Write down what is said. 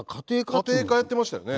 家庭科やってましたよね。